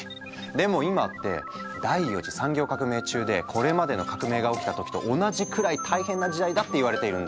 でも今って第４次産業革命中でこれまでの革命が起きた時と同じくらい大変な時代だっていわれているんだ。